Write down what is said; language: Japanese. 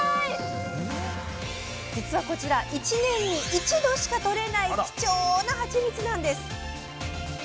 実はこちら１年に１度しかとれない貴重なハチミツなんです！